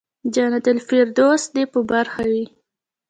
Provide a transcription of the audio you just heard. جنت الفردوس دې په برخه وي.